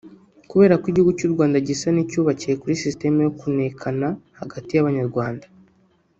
Kubera ko igihugu cy’u Rwanda gisa n’icyubakiye kuri system yo kunekana hagati y’abanyarwanda